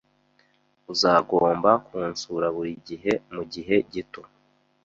Uzagomba kunsura buri gihe mugihe gito